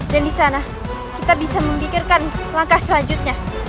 dan di sana kita bisa memikirkan langkah selanjutnya